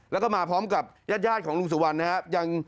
แล้วก็มาพร้อมกับญาติของลุงสุวรรณนะครับ